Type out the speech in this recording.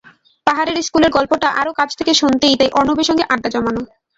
পাহাড়ের স্কুলের গল্পটা আরও কাছ থেকে শুনতেই তাই অর্ণবের সঙ্গে আড্ডা জমানো।